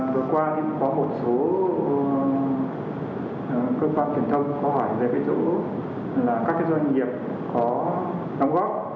vừa qua có một số cơ quan truyền thông có hỏi về cái chỗ là các doanh nghiệp có đóng góp